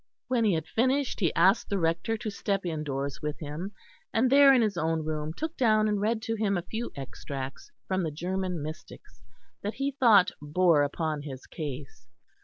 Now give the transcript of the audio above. When he had finished he asked the Rector to step indoors with him; and there in his own room took down and read to him a few extracts from the German mystics that he thought bore upon his case.